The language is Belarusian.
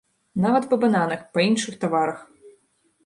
Нават па бананах, па іншых таварах.